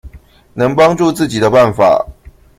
能幫助自己的辦法